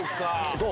どう？